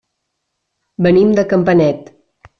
Venim de Campanet.